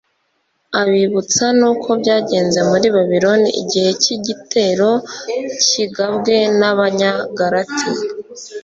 abibutsa n'uko byagenze muri babiloni igihe cy'igitero kigabwe n'abanyagalati